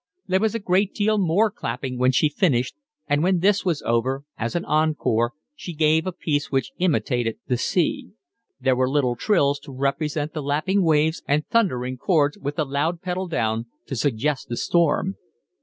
There was a great deal more clapping when she finished, and when this was over, as an encore, she gave a piece which imitated the sea; there were little trills to represent the lapping waves and thundering chords, with the loud pedal down, to suggest a storm.